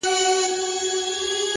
صبر د بریا د پخېدو فصل دی.